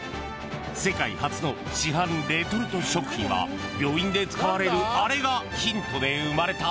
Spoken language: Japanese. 世界初の市販レトルト食品は病院で使われるあれがヒントで生まれた。